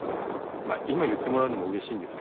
まあ今言ってもらうのもうれしいんですけど。